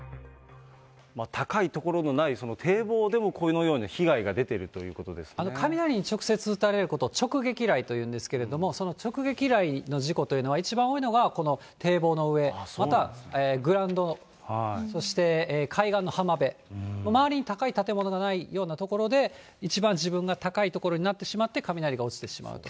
高い所のない堤防でも、このように被害が出ているということ雷に直接打たれること、直撃雷というんですけど、その直撃雷の事故というのは、一番多いのが、この堤防の上、またグラウンド、そして海岸の浜辺、周りに高い建物がないような所で、一番自分が高い所になってしまって雷が落ちてしまうと。